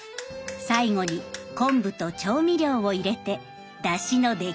最後に昆布と調味料を入れてだしの出来上がり。